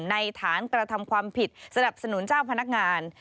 ฐานกระทำความผิดสนับสนุนเจ้าพนักงาน